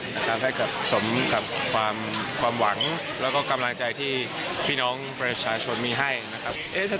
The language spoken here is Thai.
ถ้าเกิดสมกับความหวังแล้วก็กำลังใจที่พี่น้องประชาชนมีให้นะครับ